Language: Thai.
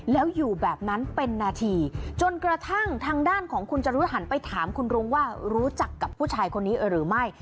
แล้วอยู่แบบนั้นเป็นนาทีจนกระทั่งทางด้านของคุณจรุหันไปถามคุณรุ้งว่ารู้จักกับผู้ชายคนนี้หรือไม่